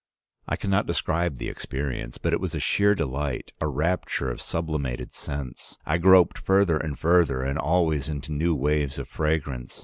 I can not describe the experience, but it was a sheer delight, a rapture of sublimated sense. I groped further and further, and always into new waves of fragrance.